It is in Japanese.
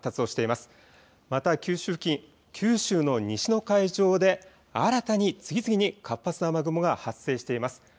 また九州付近、九州の西の海上で新たに次々に活発な雨雲が発生しています。